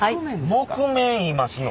木毛いいますの？